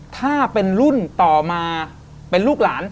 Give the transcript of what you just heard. ถ้าเป็นรุ่นต่อมาเป็นลูกหลาน